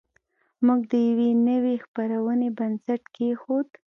موږ د یوې نوې خپرونې بنسټ کېښود